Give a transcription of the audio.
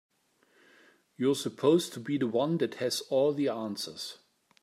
You're supposed to be the one that has all the answers.